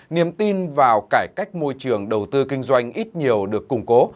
niềm tin vào cải cách môi trường đầu tư kinh doanh ít nhiều được củng cố